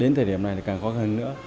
đến thời điểm này thì càng khó khăn nữa